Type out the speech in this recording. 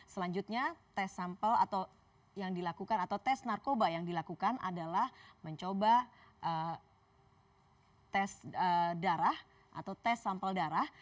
selanjutnya tes sampel atau yang dilakukan atau tes narkoba yang dilakukan adalah mencoba tes darah atau tes sampel darah